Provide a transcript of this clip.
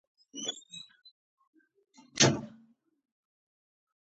قسمت کې به مې بیا د دې ښار لیدل وي کنه.